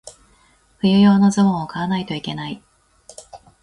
冬用のズボンを買わないといけない。